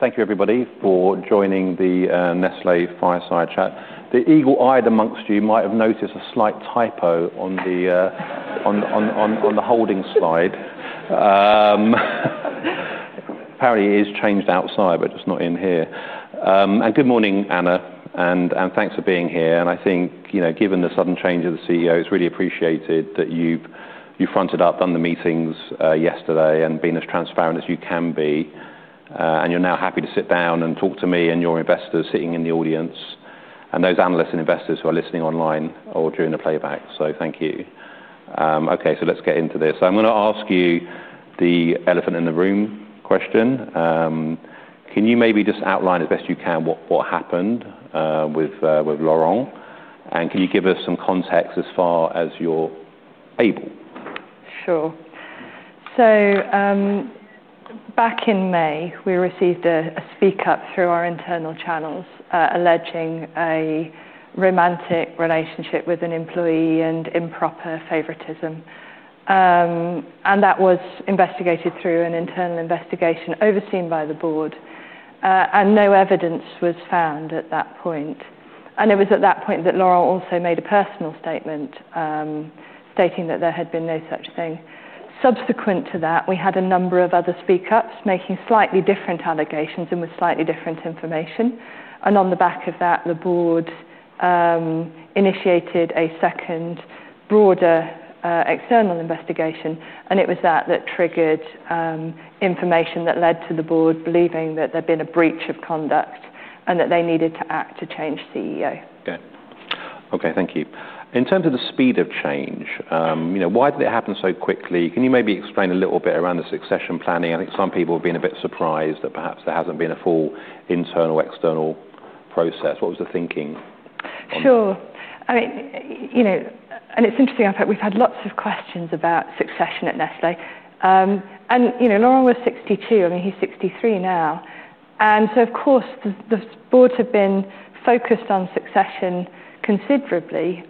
Thank you, everybody, for joining the Nestlé fireside chat. The eagle-eyed amongst you might have noticed a slight typo on the holding slide. Apparently, it has changed outside, but it's not in here. Good morning, Anna, and thanks for being here. I think, given the sudden change of the CEO, it's really appreciated that you've fronted up, done the meetings yesterday, and been as transparent as you can be. You're now happy to sit down and talk to me and your investors sitting in the audience, and those analysts and investors who are listening online or during the playback. Thank you. OK, let's get into this. I'm going to ask you the elephant in the room question. Can you maybe just outline as best you can what happened with Laurent? Can you give us some context as far as you're able? Sure. Back in May, we received a speak-up through our internal channels alleging a romantic relationship with an employee and improper favoritism. That was investigated through an internal investigation overseen by the board, and no evidence was found at that point. At that point, Laurent also made a personal statement stating that there had been no such thing. Subsequent to that, we had a number of other speak-ups making slightly different allegations and with slightly different information. On the back of that, the board initiated a second, broader external investigation. It was that that triggered information that led to the board believing that there had been a breach of conduct and that they needed to act to change the CEO. OK. Thank you. In terms of the speed of change, you know, why did it happen so quickly? Can you maybe explain a little bit around the succession process? I think some people have been a bit surprised that perhaps there hasn't been a full internal or external process. What was the thinking? Sure. It's interesting. In fact, we've had lots of questions about succession at Nestlé. Laurent was 62 years old. He's 63 years old now. Of course, the boards have been focused on succession considerably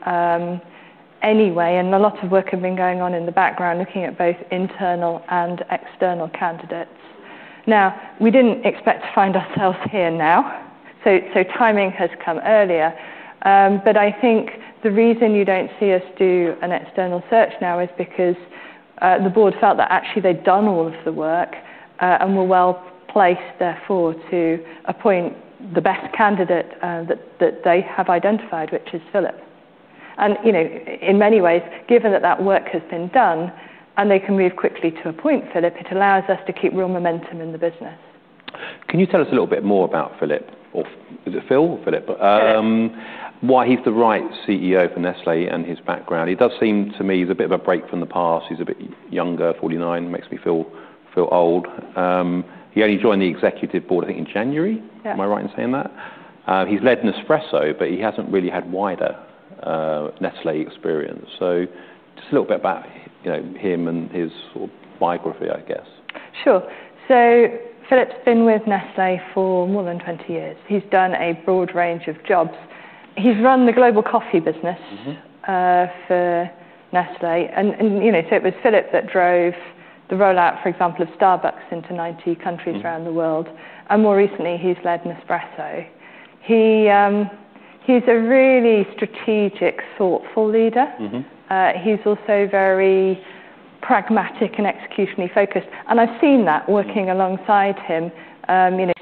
anyway. A lot of work had been going on in the background, looking at both internal and external candidates. We didn't expect to find ourselves here now. Timing has come earlier. I think the reason you don't see us do an external search now is because the board felt that, actually, they'd done all of the work and were well placed, therefore, to appoint the best candidate that they have identified, which is Philipp. In many ways, given that that work has been done and they can move quickly to appoint Philipp, it allows us to keep real momentum in the business. Can you tell us a little bit more about Philipp? Or is it Phil or Philipp? Why he's the right CEO for Nestlé and his background? He does seem to me he's a bit of a break from the past. He's a bit younger, 49 years old. Makes me feel old. He only joined the executive board, I think, in January. Am I right in saying that? He's led Nespresso, but he hasn't really had wider Nestlé experience. Just a little bit about him and his biography, I guess. Sure. Philipp's been with Nestlé for more than 20 years. He's done a broad range of jobs. He's run the global coffee business for Nestlé. It was Philipp that drove the rollout, for example, of Starbucks into 90 countries around the world. More recently, he's led Nespresso. He's a really strategic, thoughtful leader. He's also very pragmatic and executionally focused. I've seen that working alongside him.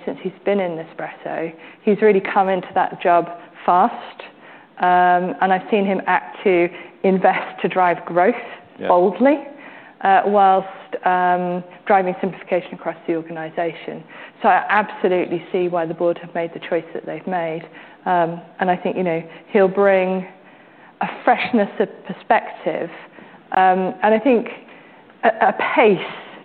Since he's been in Nespresso, he's really come into that job fast. I've seen him act to invest to drive growth boldly whilst driving simplification across the organization. I absolutely see why the board have made the choice that they've made. I think he'll bring a freshness of perspective and, I think, a pace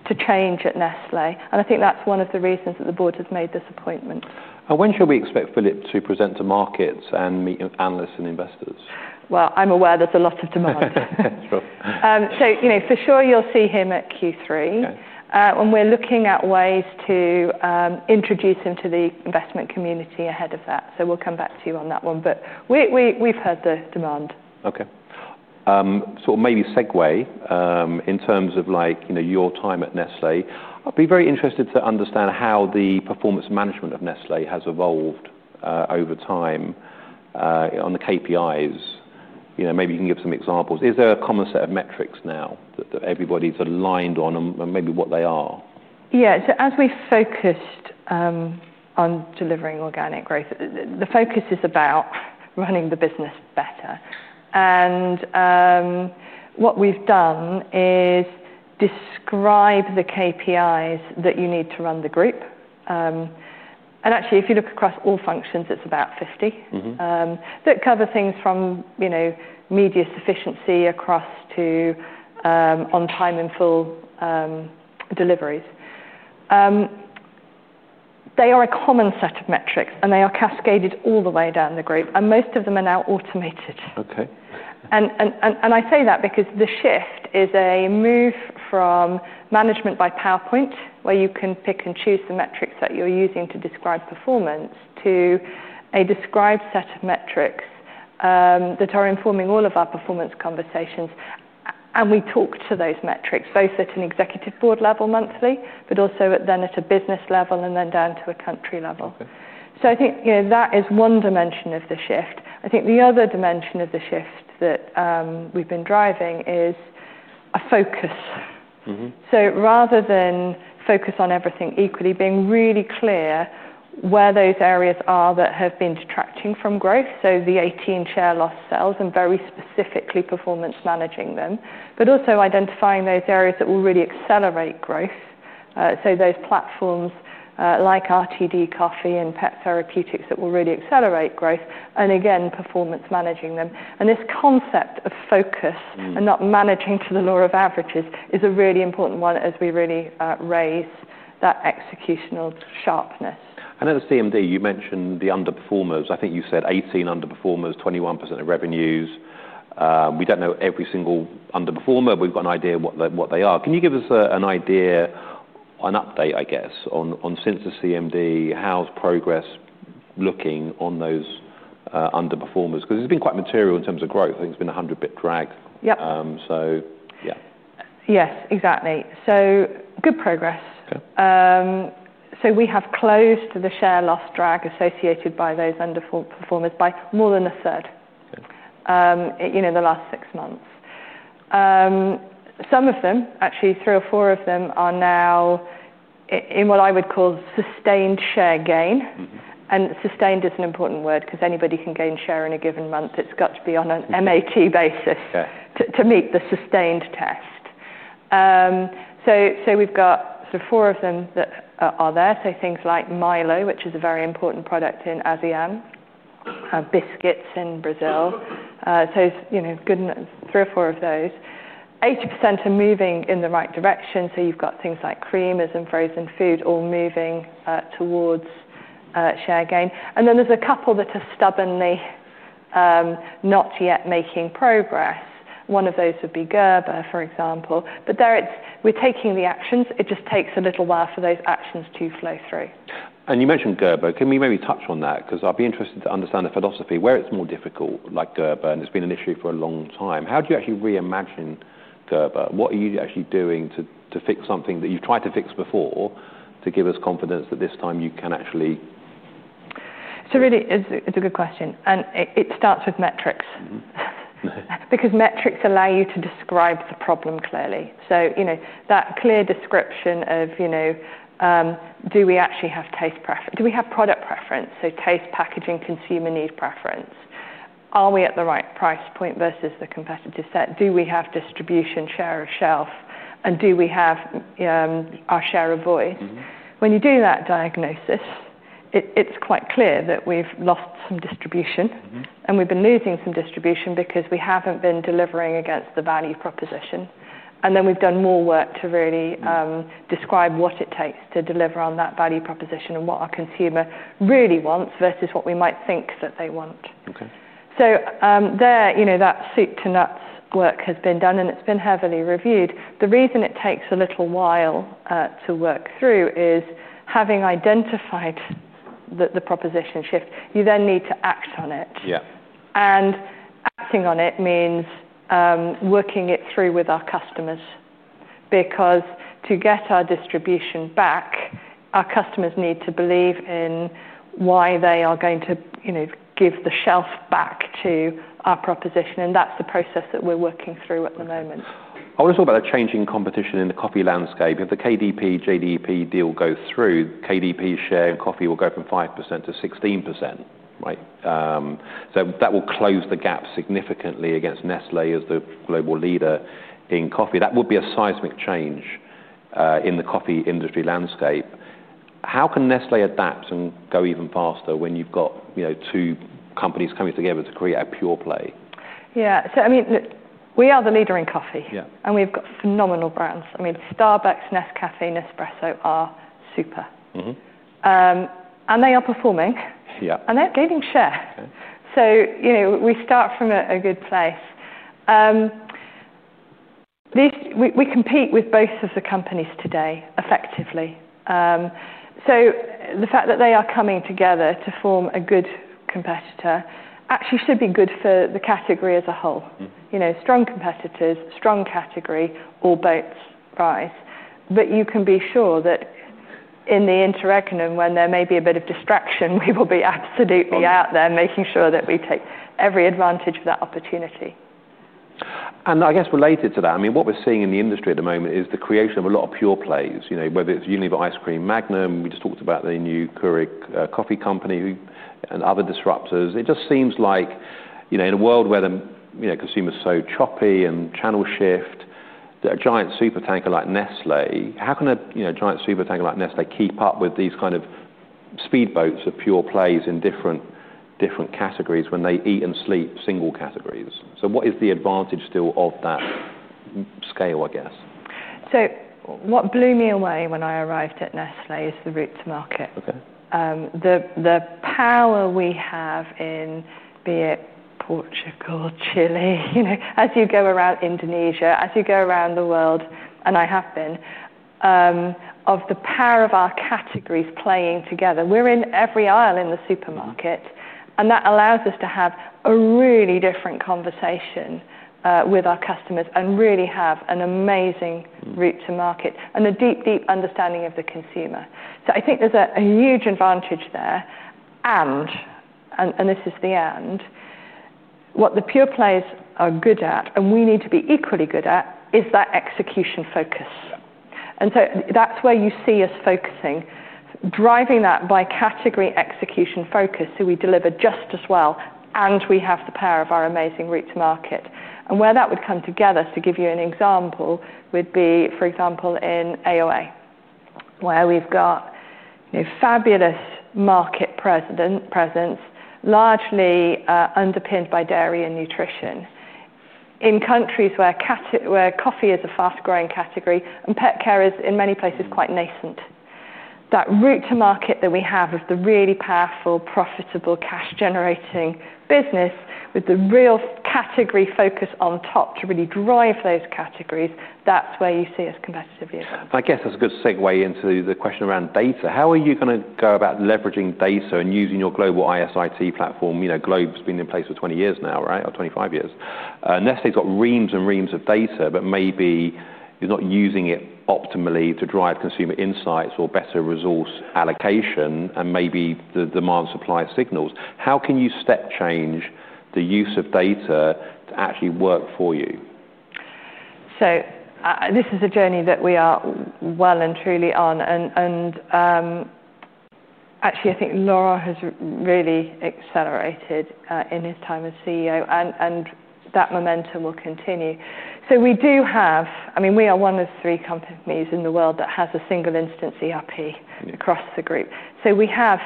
to change at Nestlé. I think that's one of the reasons that the board has made this appointment. When shall we expect Philipp to present to markets and meet analysts and investors? I'm aware there's a lot of demand. You'll see him at Q3, and we're looking at ways to introduce him to the investment community ahead of that. We'll come back to you on that one. We've heard the demand. OK. Maybe segue in terms of, like, you know, your time at Nestlé. I'd be very interested to understand how the performance management of Nestlé has evolved over time on the KPIs. You know, maybe you can give some examples. Is there a common set of metrics now that everybody's aligned on, and maybe what they are? Yeah. As we focused on delivering organic growth, the focus is about running the business better. What we've done is describe the KPIs that you need to run the group. Actually, if you look across all functions, it's about 50 that cover things from, you know, media sufficiency across to on-time and full deliveries. They are a common set of metrics, and they are cascaded all the way down the group. Most of them are now automated. OK. I say that because the shift is a move from management by PowerPoint, where you can pick and choose the metrics that you're using to describe performance, to a described set of metrics that are informing all of our performance conversations. We talk to those metrics, both at an Executive Board level monthly, but also then at a business level and then down to a country level. I think that is one dimension of the shift. I think the other dimension of the shift that we've been driving is a focus. Rather than focus on everything equally, being really clear where those areas are that have been detracting from growth, the 18 share loss sales, and very specifically performance managing them, but also identifying those areas that will really accelerate growth. Those platforms like RTD Coffee and Pet Therapeutics will really accelerate growth. Again, performance managing them. This concept of focus and not managing to the law of averages is a really important one as we really raise that executional sharpness. I know the CMD, you mentioned the underperformers. I think you said 18 underperformers, 21% of revenues. We don't know every single underperformer, but we've got an idea of what they are. Can you give us an idea, an update, I guess, on since the CMD, how's progress looking on those underperformers? Because it's been quite material in terms of growth. I think it's been a 100- bp drag. Yep. Yes, exactly. Good progress. We have closed the share loss drag associated with those underperformers by more than 1/3 in the last six months. Some of them, actually, three or four of them are now in what I would call sustained share gain. Sustained is an important word because anybody can gain share in a given month. It's got to be on an MAT basis to meet the sustained test. We've got the four of them that are there. Things like MILO, which is a very important product in ASEAN, and Biscuits in Brazil. Good, three or four of those. 80% are moving in the right direction. You've got things like creamers and frozen food all moving towards share gain. There's a couple that are stubbornly not yet making progress. One of those would be Gerber, for example. There, we're taking the actions. It just takes a little while for those actions to flow through. You mentioned Gerber. Can we maybe touch on that? I'd be interested to understand the philosophy where it's more difficult, like Gerber, and it's been an issue for a long time. How do you actually reimagine Gerber? What are you actually doing to fix something that you've tried to fix before to give us confidence that this time you can actually? It's a good question. It starts with metrics because metrics allow you to describe the problem clearly. You know that clear description of, do we actually have taste preference? Do we have product preference? Taste, packaging, consumer need preference. Are we at the right price point versus the competitive set? Do we have distribution share of shelf? Do we have our share of voice? When you do that diagnosis, it's quite clear that we've lost some distribution. We've been losing some distribution because we haven't been delivering against the value proposition. We've done more work to really describe what it takes to deliver on that value proposition and what our consumer really wants versus what we might think that they want. That soup-to-nuts work has been done, and it's been heavily reviewed. The reason it takes a little while to work through is having identified the proposition shift, you then need to act on it. Yeah. Acting on it means working it through with our customers, because to get our distribution back, our customers need to believe in why they are going to give the shelf back to our proposition. That's the process that we're working through at the moment. I want to talk about the changing competition in the coffee landscape. If the KDP/JDE Peet’s deal goes through, KDP's share in coffee will go from 5% to 16%, right? That will close the gap significantly against Nestlé as the global leader in coffee. That would be a seismic change in the coffee industry landscape. How can Nestlé adapt and go even faster when you've got two companies coming together to create a pure play? Yeah. I mean, we are the leader in coffee, and we've got phenomenal brands. I mean, Starbucks, Nescafé, Nespresso are super, and they are performing. Yeah. They're gaining share. You know, we start from a good place. We compete with both of the companies today effectively. The fact that they are coming together to form a good competitor actually should be good for the category as a whole. Strong competitors, strong category, all boats rise. You can be sure that in the interregnum, when there may be a bit of distraction, we will be absolutely out there making sure that we take every advantage of that opportunity. I guess related to that, what we're seeing in the industry at the moment is the creation of a lot of pure plays. You know, whether it's Unilever Ice Cream Magnum, we just talked about the new Keurig coffee company, and other disruptors. It just seems like, you know, in a world where consumers are so choppy and channel shift, that a giant super tanker like Nestlé, how can a giant super tanker like Nestlé keep up with these kind of speedboats of pure plays in different categories when they eat and sleep single categories? What is the advantage still of that scale, I guess? What blew me away when I arrived at Nestlé is the route to market. The power we have in, be it Portugal, Chile, as you go around Indonesia, as you go around the world, and I have been, of the power of our categories playing together. We're in every aisle in the supermarket. That allows us to have a really different conversation with our customers and really have an amazing route to market and a deep, deep understanding of the consumer. I think there's a huge advantage there. This is the and. What the pure plays are good at and we need to be equally good at is that execution focus. That's where you see us focusing, driving that by category execution focus so we deliver just as well and we have the power of our amazing route to market. Where that would come together, to give you an example, would be, for example, in AOA, where we've got a fabulous market presence, largely underpinned by dairy and nutrition, in countries where coffee is a fast-growing category and pet care is, in many places, quite nascent. That route to market that we have of the really powerful, profitable, cash-generating business with the real category focus on top to really drive those categories, that's where you see us competitively. I guess that's a good segue into the question around data. How are you going to go about leveraging data and using your global ISIT platform? You know, GLOBE's been in place for 20 years now, right, or 25 years. Nestlé's got reams and reams of data, but maybe it's not using it optimally to drive consumer insights or better resource allocation and maybe the demand-supply signals. How can you step change the use of data to actually work for you? This is a journey that we are well and truly on. I think Laurent has really accelerated in his time as CEO, and that momentum will continue. We are one of three companies in the world that has a single-instance ERP across the group, so we have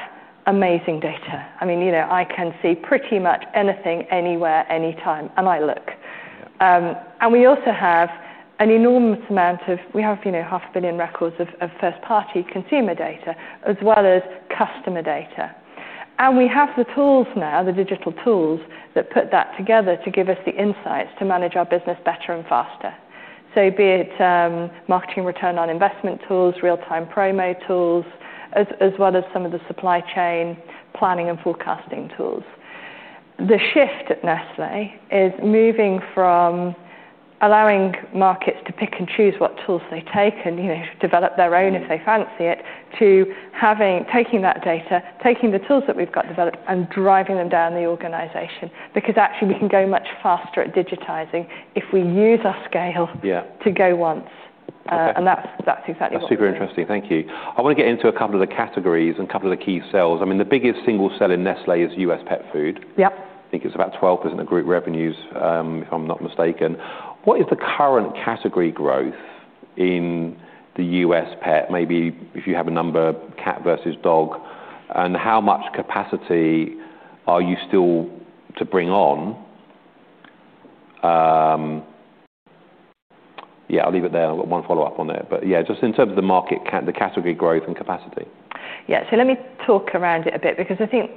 amazing data. I can see pretty much anything, anywhere, anytime, and I look. We also have an enormous amount of data; we have 500 m illion records of first-party consumer data as well as customer data. We have the tools now, the digital tools, that put that together to give us the insights to manage our business better and faster, be it marketing return on investment tools, real-time promo tools, as well as some of the supply chain planning and forecasting tools. The shift at Nestlé is moving from allowing markets to pick and choose what tools they take and develop their own if they fancy it, to taking that data, taking the tools that we've got developed, and driving them down the organization. We can go much faster at digitizing if we use our scale to go once, and that's exactly what we're doing. Super interesting. Thank you. I want to get into a couple of the categories and a couple of the key sales. I mean, the biggest single sale in Nestlé is U.S. pet food. Yep. I think it's about 12% of group revenues, if I'm not mistaken. What is the current category growth in the U.S. pet? Maybe if you have a number, cat versus dog. How much capacity are you still to bring on? I'll leave it there. I've got one follow-up on it. Just in terms of the market, the category growth and capacity. Yeah. Let me talk around it a bit because I think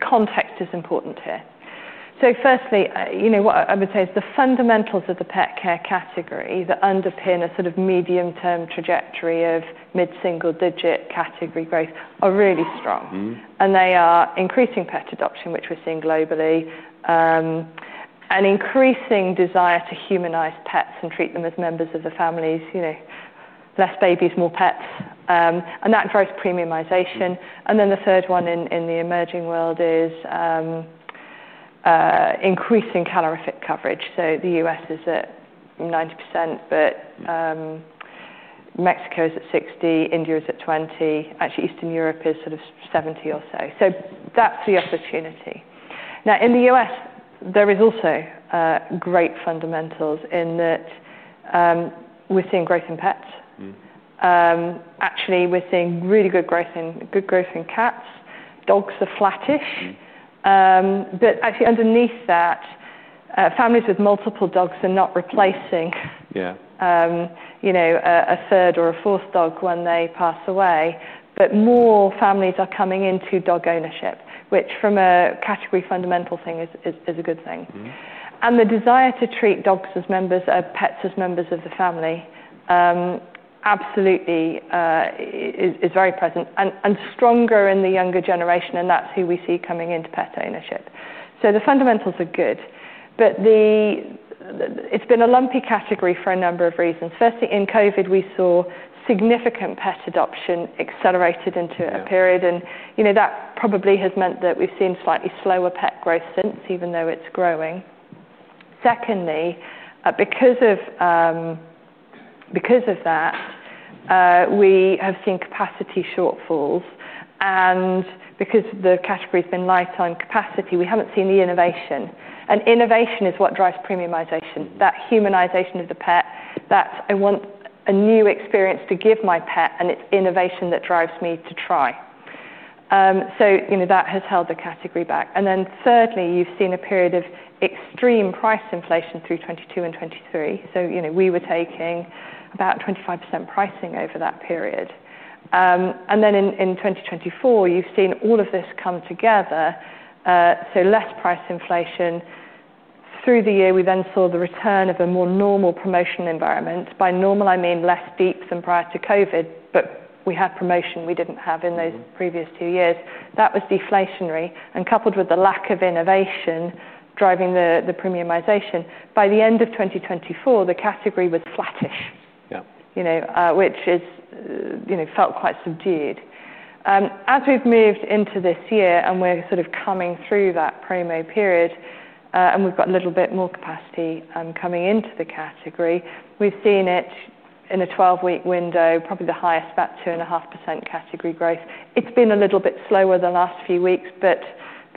context is important here. Firstly, what I would say is the fundamentals of the pet care category that underpin a sort of medium-term trajectory of mid-single-digit category growth are really strong. They are increasing pet adoption, which we're seeing globally, and increasing desire to humanize pets and treat them as members of the families, less babies, more pets, and that growth premiumization. The third one in the emerging world is increasing calorific coverage. The U.S. is at 90%, but Mexico is at 60%, India is at 20%. Actually, Eastern Europe is sort of 70% or so. That's the opportunity. In the U.S., there are also great fundamentals in that we're seeing growth in pets. Actually, we're seeing really good growth in cats. Dogs are flattish. Underneath that, families with multiple dogs are not replacing a third or a fourth dog when they pass away. More families are coming into dog ownership, which, from a category fundamental thing, is a good thing. The desire to treat dogs as pets as members of the family absolutely is very present and stronger in the younger generation. That's who we see coming into pet ownership. The fundamentals are good. It's been a lumpy category for a number of reasons. Firstly, in COVID, we saw significant pet adoption accelerated into a period. That probably has meant that we've seen slightly slower pet growth since, even though it's growing. Secondly, because of that, we have seen capacity shortfalls. Because the category's been light on capacity, we haven't seen the innovation. Innovation is what drives premiumization, that humanization of the pet. That I want a new experience to give my pet and i t's innovation that drives me to try. That has held the category back. Thirdly, you've seen a period of extreme price inflation through 2022 and 2023. We were taking about 25% pricing over that period. In 2024, you've seen all of this come together. Less price inflation. Through the year, we then saw the return of a more normal promotional environment. By normal, I mean less deep than prior to COVID. We have promotion we didn't have in those previous two years. That was deflationary. Coupled with the lack of innovation driving the premiumization, by the end of 2024, the category was flattish. Yeah. You know, which is, you know, felt quite subdued. As we've moved into this year and we're sort of coming through that promo period and we've got a little bit more capacity coming into the category, we've seen it in a 12-week window, probably the highest about 2.5% category growth. It's been a little bit slower the last few weeks, but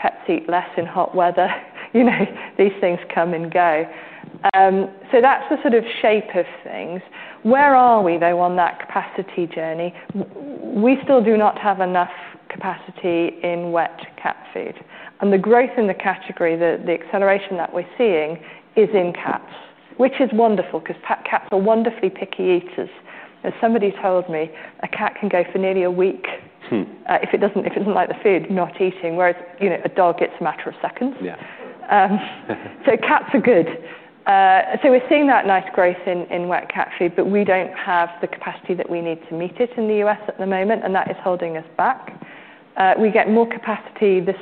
Pepsi less in hot weather. You know, these things come and go. That's the sort of shape of things. Where are we, though, on that capacity journey? We still do not have enough capacity in wet cat food. The growth in the category, the acceleration that we're seeing, is in cats, which is wonderful because pet cats are wonderfully picky eaters. As somebody told me, a cat can go for nearly a week if it doesn't like the food, not eating, whereas, you know, a dog, it's a matter of seconds. Yeah. Cats are good. We're seeing that nice growth in wet cat food, but we don't have the capacity that we need to meet it in the U.S. at the moment, and that is holding us back. We get more capacity this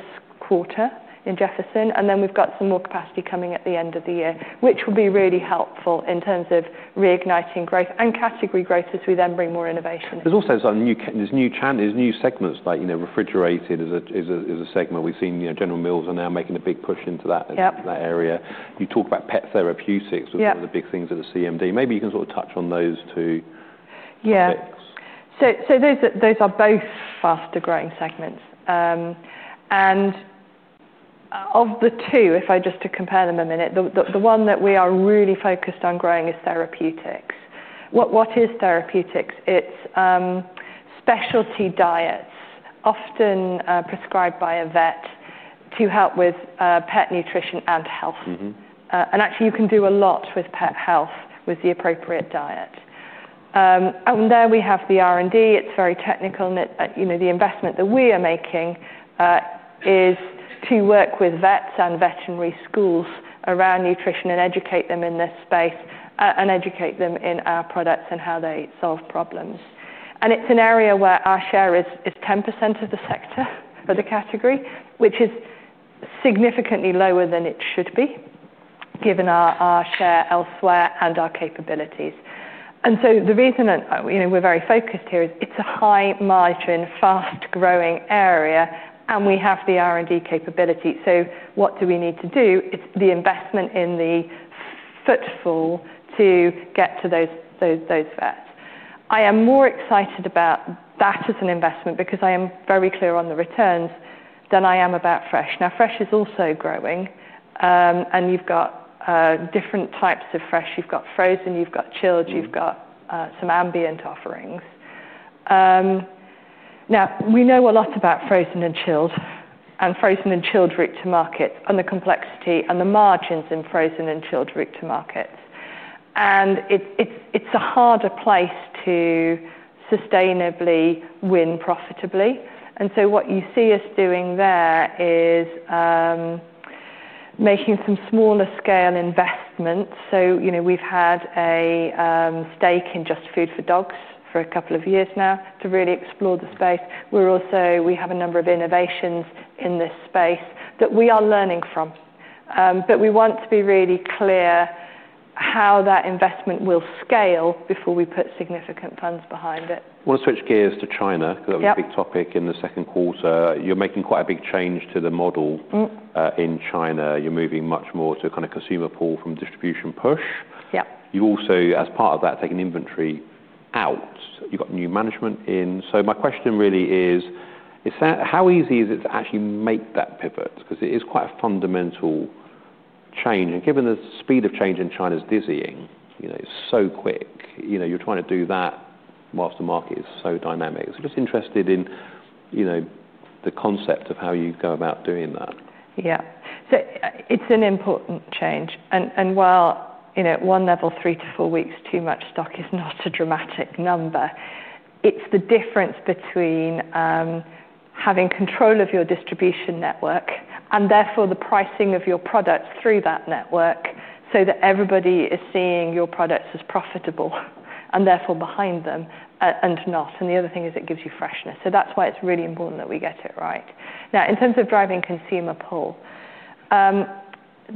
quarter in Jefferson, and we've got some more capacity coming at the end of the year, which will be really helpful in terms of reigniting growth and category growth as we then bring more innovation. There's also some new, there's new segments, like, you know, refrigerated is a segment. We've seen, you know, General Mills are now making a big push into that area. You talked about Pet Therapeutics was one of the big things at the CMD. Maybe you can sort of touch on those two b its. Those are both faster-growing segments. Of the two, if I just compare them a minute, the one that we are really focused on growing is therapeutics. What is therapeutics? It's specialty diets, often prescribed by a vet to help with pet nutrition and health. Actually, you can do a lot with pet health with the appropriate diet. There we have the R&D. It's very technical. The investment that we are making is to work with vets and veterinary schools around nutrition and educate them in this space and educate them in our products and how they solve problems. It's an area where our share is 10% of the sector of the category, which is significantly lower than it should be, given our share elsewhere and our capabilities. The reason that we're very focused here is it's a high-margin, fast-growing area and w e have the R&D capability. What do we need to do? It's the investment in the footfall to get to those vets. I am more excited about that as an investment because I am very clear on the returns than I am about fresh. Fresh is also growing. You've got different types of fresh. You've got frozen. You've got chilled. You've got some ambient offerings. We know a lot about frozen and chilled and frozen and chilled route-to-market and the complexity and the margins in frozen and chilled route-to-market. It's a harder place to sustainably win profitably. What you see us doing there is making some smaller-scale investments. We've had a stake in Just Food For Dogs for a couple of years now to really explore the space. We also have a number of innovations in this space that we are learning from. We want to be really clear how that investment will scale before we put significant funds behind it. I want to switch gears to China because that was a big topic in the second quarter. You're making quite a big change to the model in China. You're moving much more to a kind of consumer pull from distribution push. Yep. You also, as part of that, taking inventory out. You've got new management in. My question really is, is that how easy is it to actually make that pivot? It is quite a fundamental change. Given the speed of change in China is dizzying, it's so quick. You're trying to do that whilst the market is so dynamic. I'm just interested in the concept of how you go about doing that. Yeah. It's an important change. While, you know, at one level, three to four weeks too much stock is not a dramatic number, it's the difference between having control of your distribution network and therefore the pricing of your products through that network so that everybody is seeing your products as profitable and therefore behind them and not. The other thing is it gives you freshness. That's why it's really important that we get it right. Now, in terms of driving consumer pull,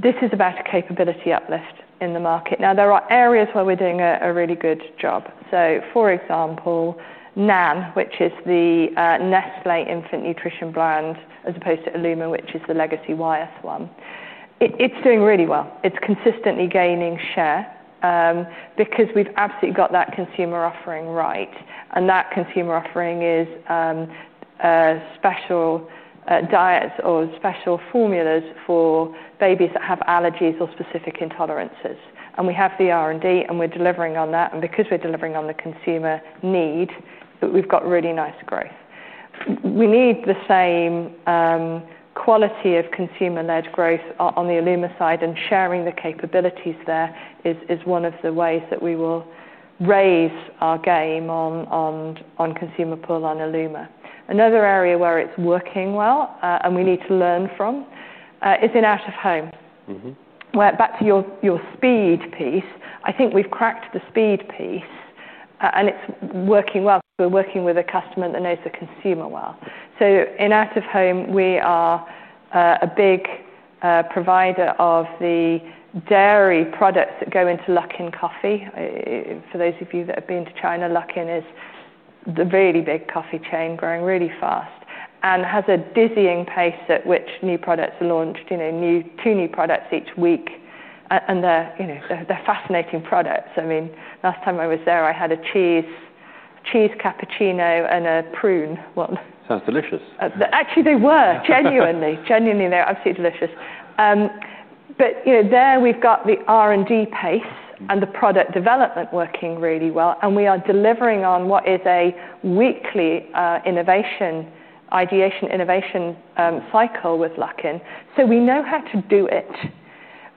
this is about a capability uplift in the market. There are areas where we're doing a really good job. For example, NAN, which is the Nestlé infant nutrition brand, as opposed to illuma, which is the legacy YS one, it's doing really well. It's consistently gaining share because we've absolutely got that consumer offering right. That consumer offering is special diets or special formulas for babies that have allergies or specific intolerances. We have the R&D. We're delivering on that. Because we're delivering on the consumer need, we've got really nice growth. We need the same quality of consumer-led growth on the illuma side. Sharing the capabilities there is one of the ways that we will raise our game on consumer pull on illuma. Another area where it's working well and we need to learn from is in out-of-home. Back to your speed piece, I think we've cracked the speed piece. It's working well because we're working with a customer that knows the consumer well. In out-of-home, we are a big provider of the dairy products that go into Luckin Coffee. For those of you that have been to China, Luckin is the really big coffee chain growing really fast and has a dizzying pace at which new products are launched, you know, two new products each week. They're fascinating products. I mean, last time I was there, I had a cheese cappuccino and a prune. Sounds delicious. Actually, they were, genuinely. Genuinely, they're absolutely delicious. There we've got the R&D pace and the product development working really well, and we are delivering on what is a weekly ideation innovation cycle with Luckin. We know how to do it.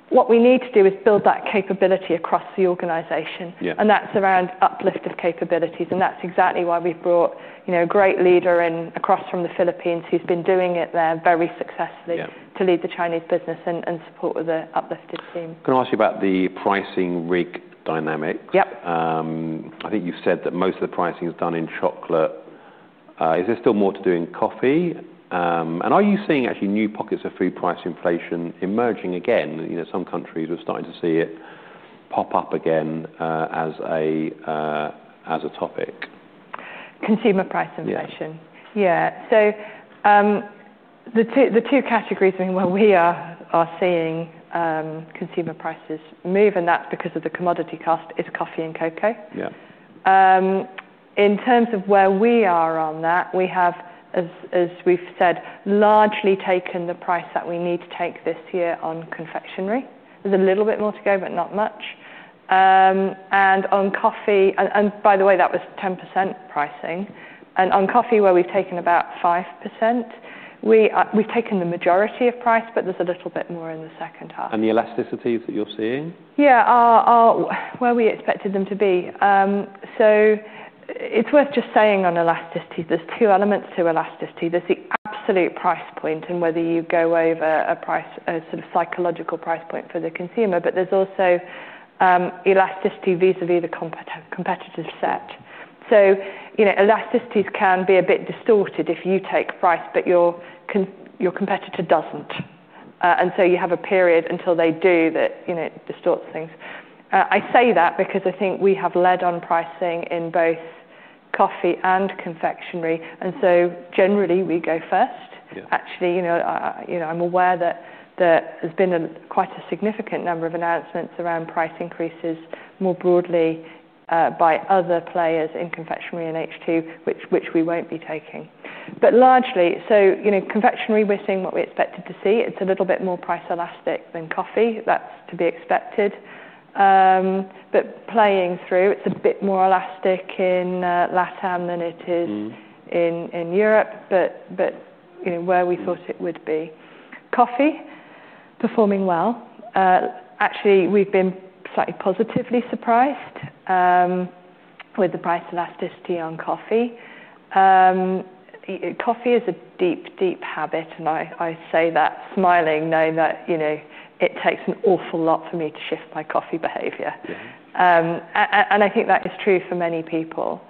What we need to do is build that capability across the organization. That's around uplifted capabilities. That's exactly why we've brought a great leader in across from the Philippines who's been doing it there very successfully to lead the Chinese business and support with the uplifted team. Can I ask you about the pricing rig dynamics? Yep. I think you've said that most of the pricing is done in chocolate. Is there still more to do in coffee? Are you seeing actually new pockets of food price inflation emerging again? Some countries are starting to see it pop up again as a topic. Consumer price inflation. Yeah. The two categories where we are seeing consumer prices move, and that's because of the commodity cost, is coffee and cocoa. Yeah. In terms of where we are on that, we have, as we've said, largely taken the price that we need to take this year on confectionery. There's a little bit more to go, but not much. On coffee, and by the way, that was 10% pricing. On coffee, where we've taken about 5%, we've taken the majority of price, but there's a little bit more in the second half. And the elasticities that you're seeing? Yeah, where we expected them to be. It's worth just saying on elasticities, there's two elements to elasticity. There's the absolute price point and whether you go over a price, a sort of psychological price point for the consumer. There's also elasticity vis-à-vis the competitive set. Elasticities can be a bit distorted if you take price, but your competitor doesn't, and you have a period until they do that distorts things. I say that because I think we have led on pricing in both coffee and confectionery, and generally, we go first. Actually, you know, I'm aware that there's been quite a significant number of announcements around price increases more broadly by other players in confectionery in H2, which we won't be taking. Largely, so you know, confectionery, we're seeing what we expected to see. It's a little bit more price elastic than coffee. That's to be expected. Playing through, it's a bit more elastic in LATAM than it is in Europe. You know, where we thought it would be. Coffee performing well. Actually, we've been slightly positively surprised with the price elasticity on coffee. Coffee is a deep, deep habit. I say that smiling, knowing that, you know, it takes an awful lot for me to shift my coffee behavior. I think that is true for many people.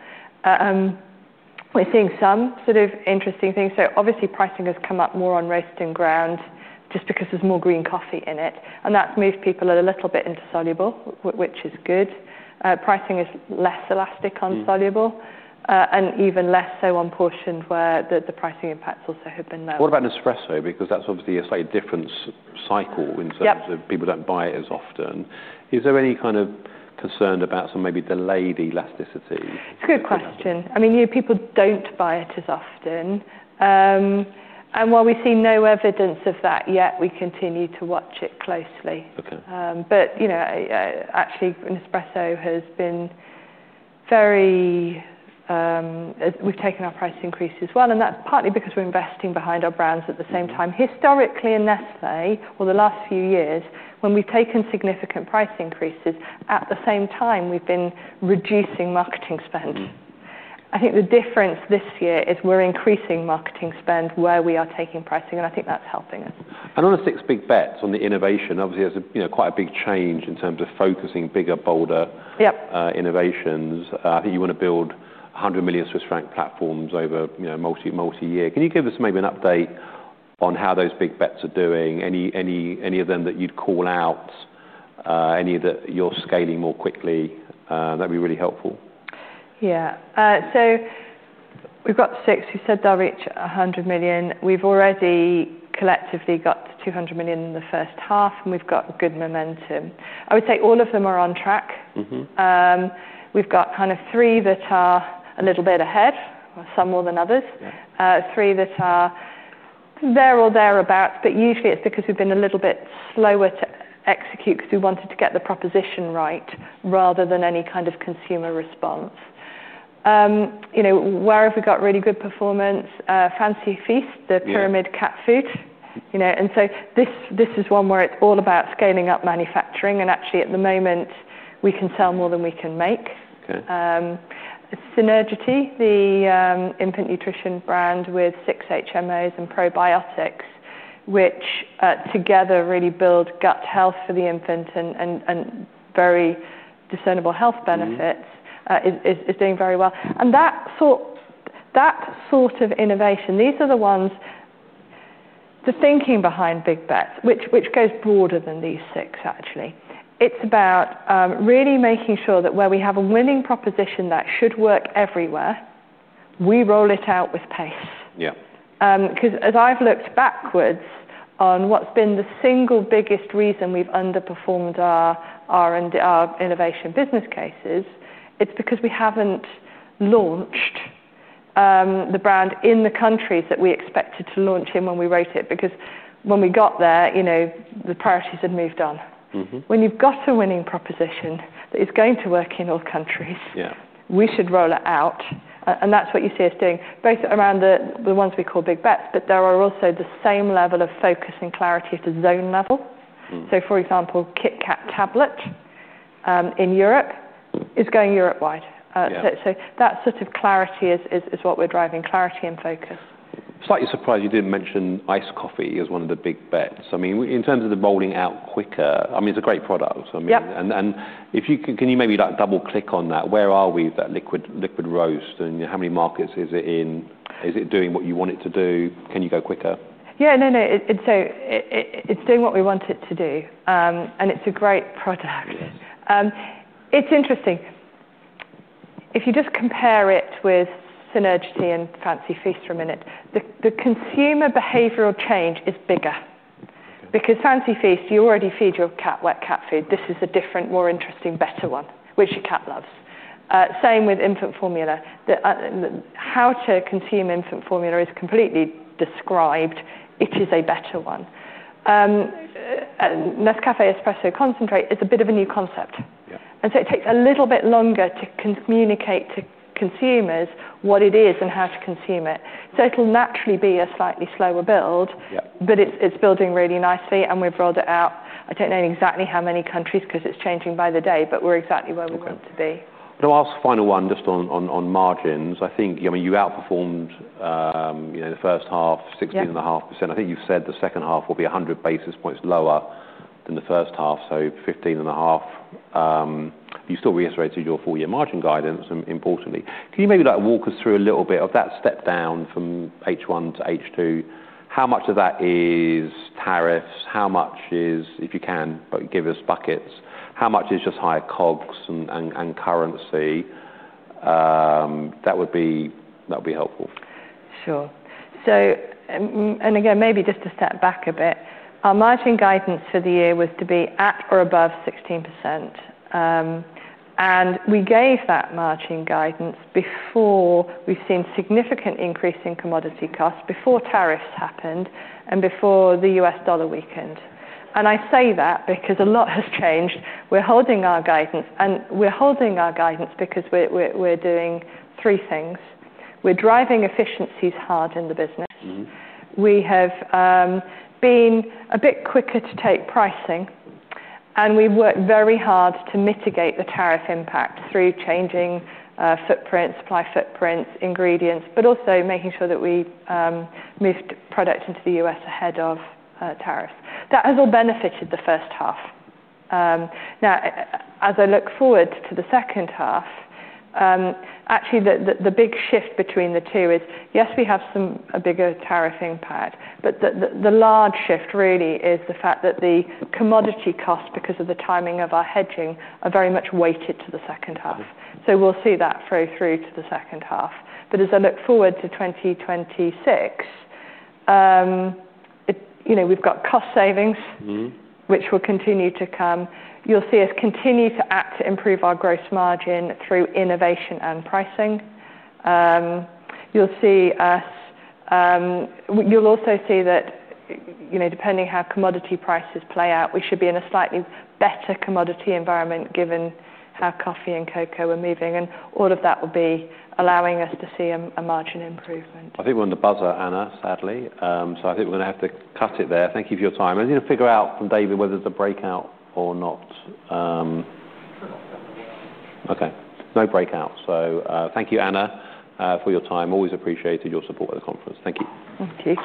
We're seeing some sort of interesting things. Obviously, pricing has come up more on roasting ground just because there's more green coffee in it. That's moved people a little bit into soluble, which is good. Pricing is less elastic on soluble, and even less so on portioned where the pricing impacts also have been low. What about Nespresso? Because that's obviously a slightly different cycle in terms of people don't buy it as often. Is there any kind of concern about some maybe delayed elasticity? It's a good question. You know, people don't buy it as often. While we see no evidence of that yet, we continue to watch it closely. OK. Actually, Nespresso has been very, we've taken our price increases well. That's partly because we're investing behind our brands at the same time. Historically, in Nestlé, or the last few years, when we've taken significant price increases, at the same time, we've been reducing marketing spend. I think the difference this year is we're increasing marketing spend where we are taking pricing. I think that's helping us. I don't want to take a big bet on the innovation. Obviously, there's quite a big change in terms of focusing bigger, bolder innovations. I think you want to build 100 million Swiss franc platforms over, you know, multi-year. Can you give us maybe an update on how those big bets are doing? Any of them that you'd call out? Any that you're scaling more quickly? That'd be really helpful. Yeah. We've got six who said they'll reach 100 million. We've already collectively got to 200 million in the first half, and we've got good momentum. I would say all of them are on track. We've got kind of three that are a little bit ahead, some more than others, three that are there or thereabouts. Usually, it's because we've been a little bit slower to execute because we wanted to get the proposition right rather than any kind of consumer response. You know, where have we got really good performance? Fancy Feast, the pyramid cat food. This is one where it's all about scaling up manufacturing, and actually, at the moment, we can sell more than we can make. OK. Sinergity, the infant nutrition brand with six HMOs and probiotics, which together really build gut health for the infant and very discernible health benefits, is doing very well. That sort of innovation, these are the ones, the thinking behind big bets, which goes broader than these six, actually. It's about really making sure that where we have a winning proposition that should work everywhere, we roll it out with pace. Yeah. Because as I've looked backwards on what's been the single biggest reason we've underperformed our innovation business cases, it's because we haven't launched the brand in the countries that we expected to launch in when we wrote it. When we got there, the priorities had moved on. When you've got a winning proposition that is going to work in all countries. Yeah. We should roll it out. That's what you see us doing, both around the ones we call big bets, but there is also the same level of focus and clarity at the zone level. For example, Kit Kat tablet in Europe is going Europe-wide. That sort of clarity is what we're driving, clarity and focus. Slightly surprised you didn't mention iced coffee as one of the big bets. I mean, in terms of the rolling out quicker, it's a great product. Could you maybe double-click on that? Where are we with that liquid roast? How many markets is it in? Is it doing what you want it to do? Can you go quicker? No, no. It's doing what we want it to do. It's a great product. It's interesting. If you just compare it with Sinergity and Fancy Feast for a minute, the consumer behavioral change is bigger. Because Fancy Feast, you already feed your cat wet cat food. This is a different, more interesting, better one, which your cat loves. Same with infant formula. How to consume infant formula is completely described. It is a better one. Nescafé espresso concentrate, it's a bit of a new concept. It takes a little bit longer to communicate to consumers what it is and how to consume it. It will naturally be a slightly slower build. Yeah. It's building really nicely. We've rolled it out. I don't know exactly how many countries because it's changing by the day. We're exactly where we want to be. I want to ask a final one just on margins. I think, I mean, you outperformed in the first half 16.5%. I think you've said the second half will be 100 basis points lower than the first half, so 15.5%. You still reiterated your full-year margin guidance importantly. Can you maybe walk us through a little bit of that step down from H1 to H2? How much of that is tariffs? How much is, if you can, give us buckets, how much is just higher COGS and currency? That would be helpful. Sure. Maybe just to step back a bit, our margin guidance for the year was to be at or above 16%. We gave that margin guidance before we had seen significant increase in commodity costs, before tariffs happened, and before the U.S. dollar weakened. I say that because a lot has changed. We're holding our guidance. We're holding our guidance because we're doing three things. We're driving efficiencies hard in the business. We have been a bit quicker to take pricing. We work very hard to mitigate the tariff impact through changing footprints, supply footprints, ingredients, but also making sure that we moved product into the U.S. ahead of tariffs. That has all benefited the first half. As I look forward to the second half, actually, the big shift between the two is, yes, we have a bigger tariff impact. The large shift really is the fact that the commodity costs, because of the timing of our hedging, are very much weighted to the second half. We'll see that flow through to the second half. As I look forward to 2026, we've got cost savings, which will continue to come. You'll see us continue to act to improve our gross margin through innovation and pricing. You'll also see that, depending on how commodity prices play out, we should be in a slightly better commodity environment given how coffee and cocoa are moving. All of that will be allowing us to see a margin improvement. I think we're on the buzzer, Anna, sadly. I think we're going to have to cut it there. Thank you for your time. You know, figure out from David whether to break out or not. Okay. No break out. Thank you, Anna, for your time. Always appreciated your support at the conference. Thank you. Okay.